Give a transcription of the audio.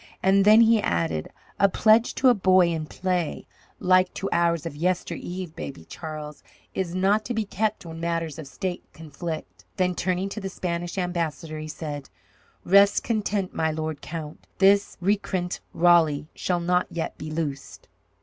And then he added, "A pledge to a boy in play, like to ours of yester eve, Baby Charles, is not to be kept when matters of state conflict." Then turning to the Spanish ambassador, he said: "Rest content, my lord count. This recreant Raleigh shall not yet be loosed."